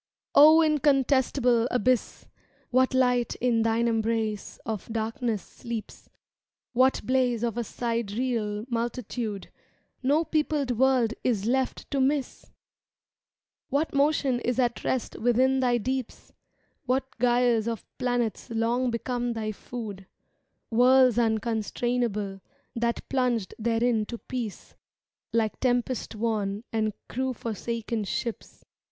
O incontestable Abyss, What light in thine embrace of darkness sleeps— What blaze of a sidereal multitude ^^ No peopled world is left to miss! What motion is at rest within thy deeps— What gyres of planets long become thy food— Worlds unconstrainable That plunged therein to peace, like tempest worn and crew 'forsaken ships, ill iiT* •^^ °o% o oo V ^^' r't ^v Or oo oo <f o V ^_\